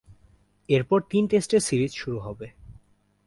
এরপর তিন টেস্টের সিরিজ শুরু হবে।